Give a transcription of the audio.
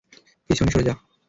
পিছনে সরে যা।